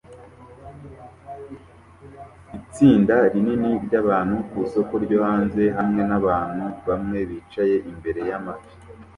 Itsinda rinini ryabantu ku isoko ryo hanze hamwe nabantu bamwe bicaye imbere y amafi